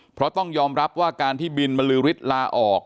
เพราะต้องยอมรับว่าการที่บินบรรลือฤทธิ์ลาออก